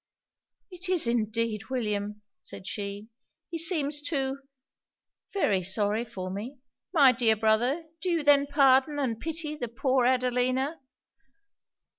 'It is indeed William!' said she. 'He seems, too, very sorry for me. My dear brother, do you then pardon and pity the poor Adelina?'